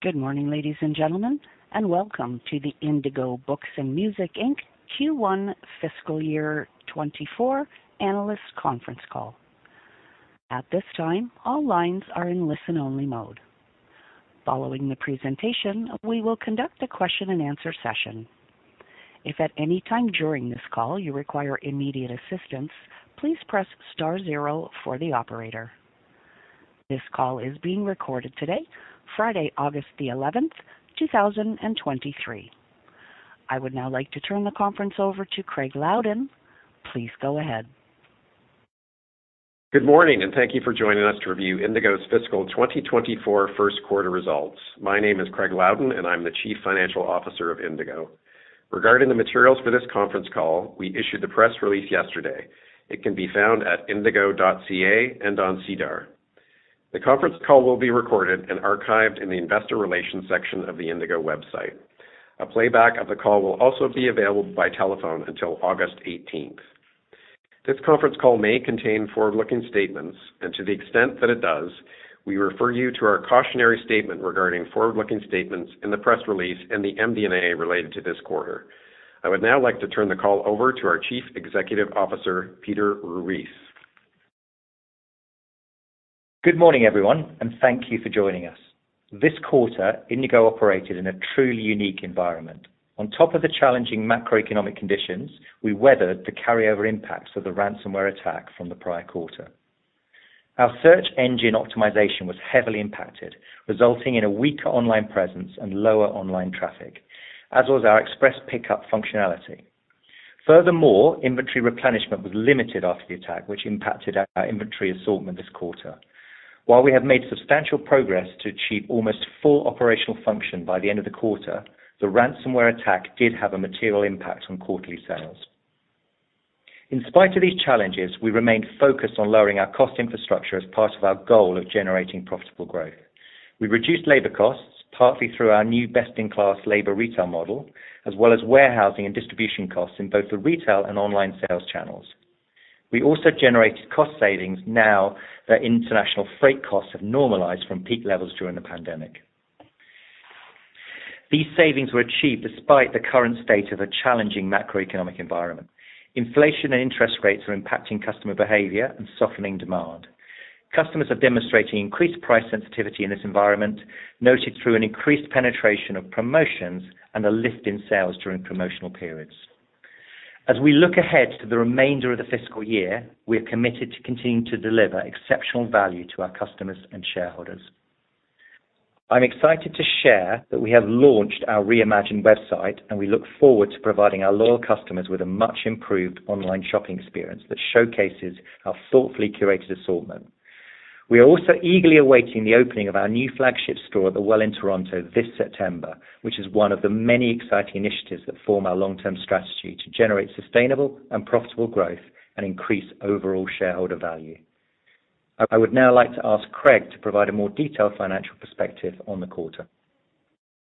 Good morning, ladies and gentlemen, and welcome to the Indigo Books & Music Inc. Q1 Fiscal Year 2024 analyst conference call. At this time, all lines are in listen-only mode. Following the presentation, we will conduct a question and answer session. If at any time during this call you require immediate assistance, please press star zero for the operator. This call is being recorded today, Friday, August 11th, 2023. I would now like to turn the conference over to Craig Loudon. Please go ahead. Good morning, and thank you for joining us to review Indigo's fiscal 2024 first quarter results. My name is Craig Loudon, and I'm the Chief Financial Officer of Indigo. Regarding the materials for this conference call, we issued the press release yesterday. It can be found at indigo.ca and on SEDAR. The conference call will be recorded and archived in the investor relations section of the Indigo website. A playback of the call will also be available by telephone until August 18th. This conference call may contain forward-looking statements, and to the extent that it does, we refer you to our cautionary statement regarding forward-looking statements in the press release and the MD&A related to this quarter. I would now like to turn the call over to our Chief Executive Officer, Peter Ruis. Good morning, everyone, and thank you for joining us. This quarter, Indigo operated in a truly unique environment. On top of the challenging macroeconomic conditions, we weathered the carryover impacts of the ransomware attack from the prior quarter. Our search engine optimization was heavily impacted, resulting in a weaker online presence and lower online traffic, as was our express pickup functionality. Furthermore, inventory replenishment was limited after the attack, which impacted our inventory assortment this quarter. While we have made substantial progress to achieve almost full operational function by the end of the quarter, the ransomware attack did have a material impact on quarterly sales. In spite of these challenges, we remained focused on lowering our cost infrastructure as part of our goal of generating profitable growth. We reduced labor costs, partly through our new best-in-class labor retail model, as well as warehousing and distribution costs in both the retail and online sales channels. We also generated cost savings now that international freight costs have normalized from peak levels during the pandemic. These savings were achieved despite the current state of a challenging macroeconomic environment. Inflation and interest rates are impacting customer behavior and softening demand. Customers are demonstrating increased price sensitivity in this environment, noted through an increased penetration of promotions and a lift in sales during promotional periods. As we look ahead to the remainder of the fiscal year, we are committed to continuing to deliver exceptional value to our customers and shareholders. I'm excited to share that we have launched our reimagined website, and we look forward to providing our loyal customers with a much improved online shopping experience that showcases our thoughtfully curated assortment. We are also eagerly awaiting the opening of our new flagship store at The Well in Toronto this September, which is one of the many exciting initiatives that form our long-term strategy to generate sustainable and profitable growth and increase overall shareholder value. I would now like to ask Craig to provide a more detailed financial perspective on the quarter.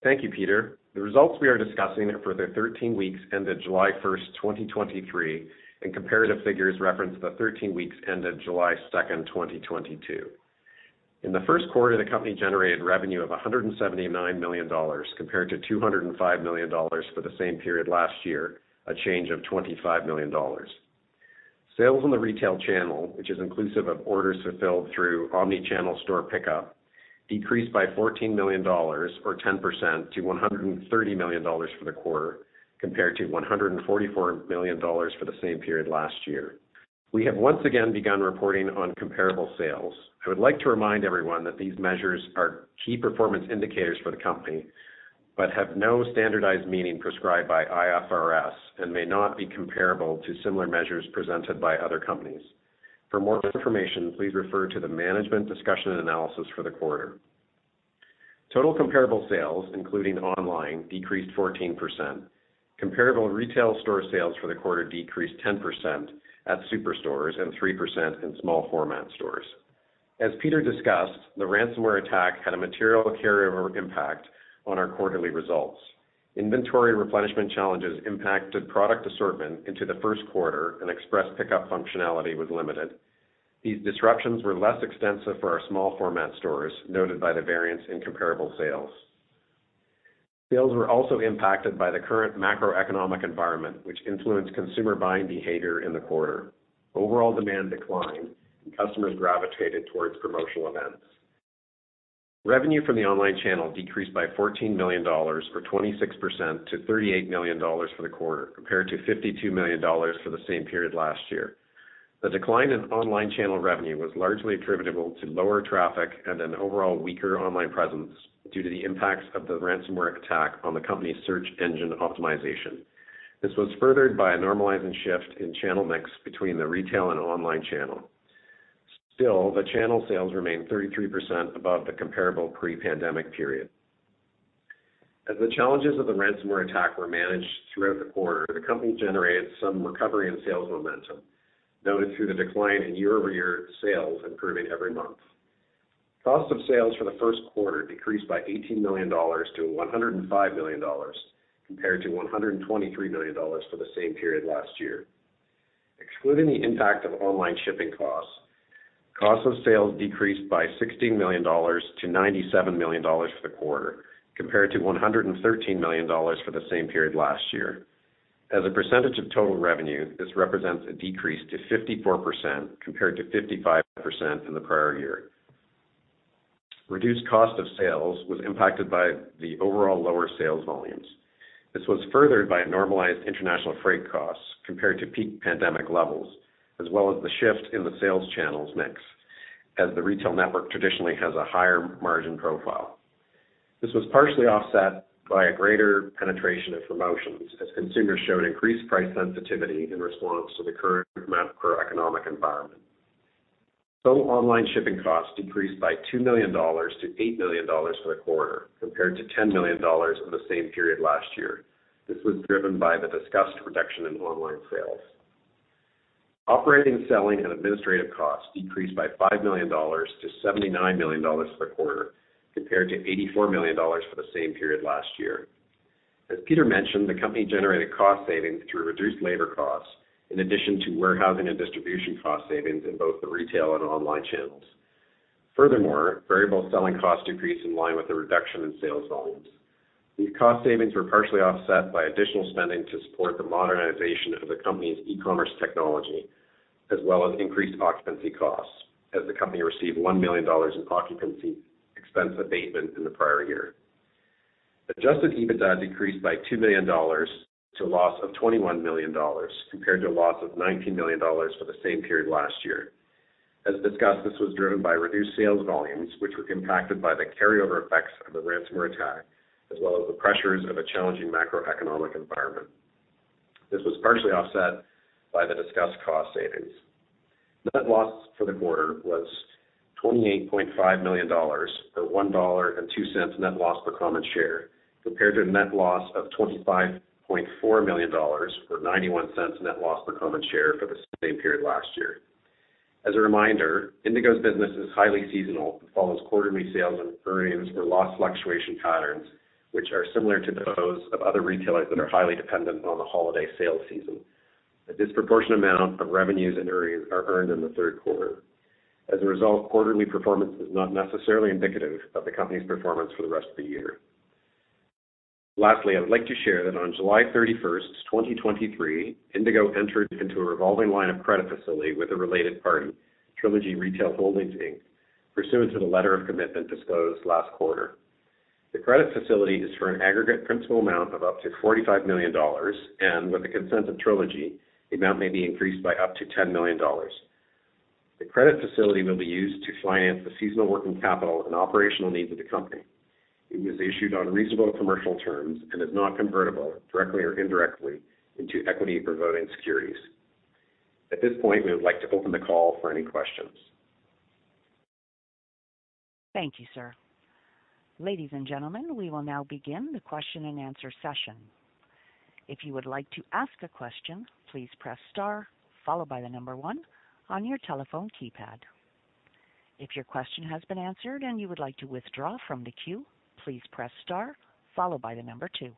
Thank you, Peter. The results we are discussing are for the 13 weeks ended July 1st, 2023, and comparative figures reference the 13 weeks ended July 2nd, 2022. In the first quarter, the company generated revenue of 179 million dollars, compared to 205 million dollars for the same period last year, a change of 25 million dollars. Sales in the retail channel, which is inclusive of orders fulfilled through omnichannel store pickup, decreased by CAD 14 million, or 10%, to 130 million dollars for the quarter, compared to 144 million dollars for the same period last year. We have once again begun reporting on comparable sales. I would like to remind everyone that these measures are key performance indicators for the company, but have no standardized meaning prescribed by IFRS and may not be comparable to similar measures presented by other companies. For more information, please refer to the Management's Discussion and Analysis for the quarter. Total comparable sales, including online, decreased 14%. Comparable retail store sales for the quarter decreased 10% at superstores and 3% in small format stores. As Peter discussed, the ransomware attack had a material carryover impact on our quarterly results. Inventory replenishment challenges impacted product assortment into the first quarter, and express pickup functionality was limited. These disruptions were less extensive for our small format stores, noted by the variance in comparable sales. Sales were also impacted by the current macroeconomic environment, which influenced consumer buying behavior in the quarter. Overall demand declined, customers gravitated towards promotional events. Revenue from the online channel decreased by 14 million dollars, or 26%, to 38 million dollars for the quarter, compared to 52 million dollars for the same period last year. The decline in online channel revenue was largely attributable to lower traffic and an overall weaker online presence due to the impacts of the ransomware attack on the company's search engine optimization. This was furthered by a normalizing shift in channel mix between the retail and online channel. The channel sales remained 33% above the comparable pre-pandemic period. As the challenges of the ransomware attack were managed throughout the quarter, the company generated some recovery in sales momentum, noted through the decline in YoY sales improving every month. Cost of sales for the first quarter decreased by 18 million dollars to 105 million dollars, compared to 123 million dollars for the same period last year. excluding the impact of online shipping costs, cost of sales decreased by 16 million dollars to 97 million dollars for the quarter, compared to 113 million dollars for the same period last year. As a percentage of total revenue, this represents a decrease to 54%, compared to 55% in the prior year. Reduced cost of sales was impacted by the overall lower sales volumes. This was furthered by normalized international freight costs compared to peak pandemic levels, as well as the shift in the sales channels mix, as the retail network traditionally has a higher margin profile. This was partially offset by a greater penetration of promotions as consumers showed increased price sensitivity in response to the current macroeconomic environment. Total online shipping costs decreased by 2 million dollars to 8 million dollars for the quarter, compared to 10 million dollars in the same period last year. This was driven by the discussed reduction in online sales. Operating, selling and administrative costs decreased by 5 million dollars to 79 million dollars for the quarter, compared to 84 million dollars for the same period last year. As Peter mentioned, the company generated cost savings through reduced labor costs in addition to warehousing and distribution cost savings in both the retail and online channels. Furthermore, variable selling costs decreased in line with the reduction in sales volumes. These cost savings were partially offset by additional spending to support the modernization of the company's e-commerce technology, as well as increased occupancy costs, as the company received 1 million dollars in occupancy expense abatement in the prior year. Adjusted EBITDA decreased by 2 million dollars to a loss of 21 million dollars, compared to a loss of 19 million dollars for the same period last year. As discussed, this was driven by reduced sales volumes, which were impacted by the carryover effects of the ransomware attack, as well as the pressures of a challenging macroeconomic environment. This was partially offset by the discussed cost savings. Net loss for the quarter was 28.5 million dollars, or 1.02 net loss per common share, compared to a net loss of 25.4 million dollars, or 0.91 net loss per common share for the same period last year. As a reminder, Indigo's business is highly seasonal and follows quarterly sales and earnings or loss fluctuation patterns, which are similar to those of other retailers that are highly dependent on the holiday sales season. A disproportionate amount of revenues and earnings are earned in the third quarter. As a result, quarterly performance is not necessarily indicative of the company's performance for the rest of the year. Lastly, I'd like to share that on July 31, 2023, Indigo entered into a revolving line of credit facility with a related party, Trilogy Retail Holdings, Inc. pursuant to the letter of commitment disclosed last quarter. The credit facility is for an aggregate principal amount of up to 45 million dollars, and with the consent of Trilogy, the amount may be increased by up to 10 million dollars. The credit facility will be used to finance the seasonal working capital and operational needs of the company. It was issued on reasonable commercial terms and is not convertible directly or indirectly into equity or voting securities. At this point, we would like to open the call for any questions. Thank you, sir. Ladies and gentlemen, we will now begin the question-and-answer session. If you would like to ask a question, please press star followed by the number one on your telephone keypad. If your question has been answered and you would like to withdraw from the queue, please press star followed by the number two.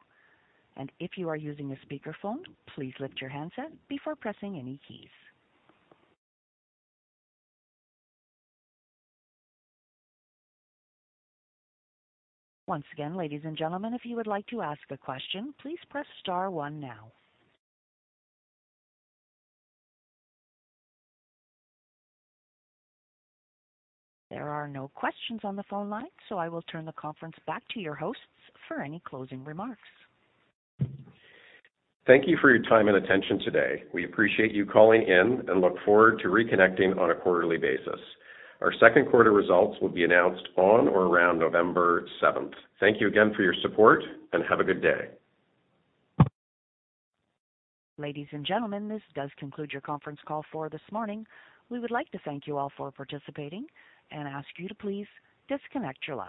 If you are using a speakerphone, please lift your handset before pressing any keys. Once again, ladies and gentlemen, if you would like to ask a question, please press star one now. There are no questions on the phone line, so I will turn the conference back to your hosts for any closing remarks. Thank you for your time and attention today. We appreciate you calling in and look forward to reconnecting on a quarterly basis. Our second quarter results will be announced on or around November seventh. Thank you again for your support and have a good day. Ladies and gentlemen, this does conclude your conference call for this morning. We would like to thank you all for participating and ask you to please disconnect your lines.